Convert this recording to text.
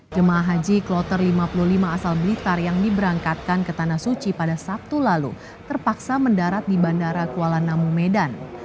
jemaah haji kloter lima puluh lima asal blitar yang diberangkatkan ke tanah suci pada sabtu lalu terpaksa mendarat di bandara kuala namu medan